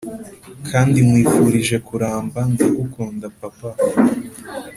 kandi nkwifurije kuramba. ndagukunda, papa.